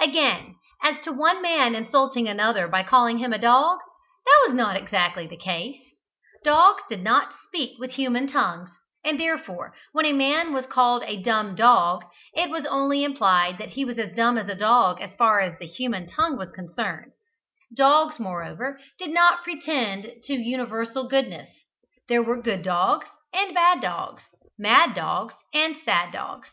Again, as to one man insulting another by calling him a dog, that was not exactly the case. Dogs did not speak with human tongues, and therefore, when a man was called a "dumb dog," it was only implied that he was as dumb as a dog as far as the human tongue was concerned; dogs, moreover, did not pretend to universal goodness there were good dogs and bad dogs, mad dogs and sad dogs.